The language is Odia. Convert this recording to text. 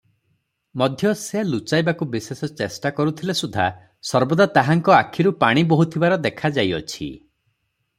ମଧ୍ୟ ସେ ଲୁଚାଇବାକୁ ବିଶେଷ ଚେଷ୍ଟା କରୁଥିଲେ ସୁଦ୍ଧା ସର୍ବଦା ତାହାଙ୍କ ଆଖିରୁ ପାଣି ବହୁଥିବାର ଦେଖାଯାଉଅଛି ।